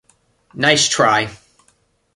Nice try!